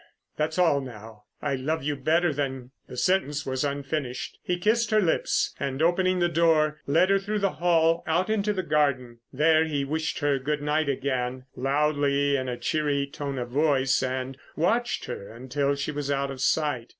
That's all now. I love you better than——" The sentence was unfinished. He kissed her lips, and opening the door led her through the hall out into the garden. There he wished her good night again, loudly, in a cheery tone of voice, and watched her until she was out of sight.